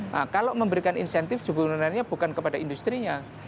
nah kalau memberikan insentif juga sebenarnya bukan kepada industri nya